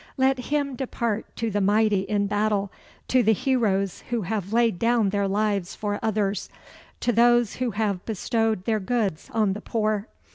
Let him depart to the mighty in battle, to the heroes who have laid down their lives for others, to those who have bestowed their goods on the poor."